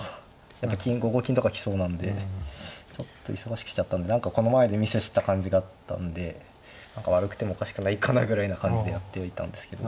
やっぱ５五金とか来そうなんでちょっと忙しくしちゃったんで何かこの前でミスした感じがあったんで悪くてもおかしくないかなぐらいな感じでやってはいたんですけど。